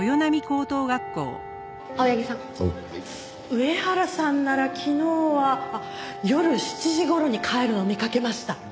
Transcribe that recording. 上原さんなら昨日は夜７時頃に帰るのを見かけました。